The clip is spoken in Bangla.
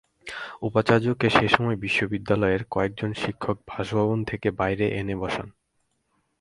উপাচার্যকে সে সময় বিশ্ববিদ্যালয়ের কয়েকজন শিক্ষক বাসভবন থেকে বাইরে এনে বসান।